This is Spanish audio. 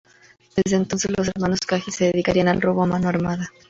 Desde entonces, los hermanos Cahill se dedicarían al robo a mano armada.